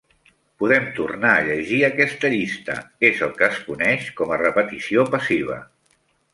Podem tornar a llegir aquesta llista: és el que es coneix com a repetició passiva.